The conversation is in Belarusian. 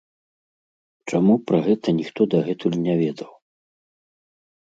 Чаму пра гэта ніхто дагэтуль не ведаў?